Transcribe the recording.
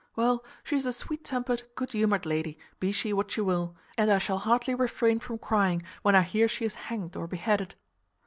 Well, she's a sweet tempered, good humoured lady, be she what she will, and I shall hardly refrain from crying when I hear she is hanged or beheaded."